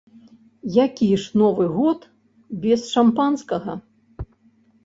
Які ж новы год без шампанскага?